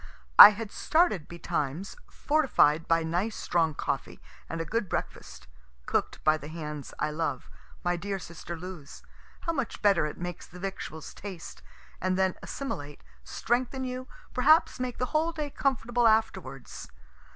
I had started betimes, fortified by nice strong coffee and a good breakfast (cook'd by the hands I love, my dear sister Lou's how much better it makes the victuals taste, and then assimilate, strengthen you, perhaps make the whole day comfortable afterwards.)